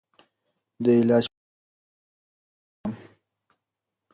د علاج پیسې مي راکړه رخصتېږم